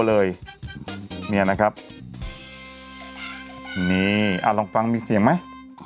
เลยเนี่ยนะครับนี่เอาลองฟังมีเสียมั้ย